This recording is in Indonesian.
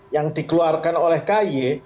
yang dikeluarkan oleh ky